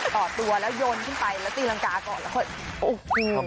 ต่อตัวแล้วโยนขึ้นไปแล้วตีรังกาก่อนแล้วก็โอ้โห